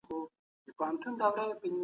کیسه له دودیزو باورونو الهام اخلي.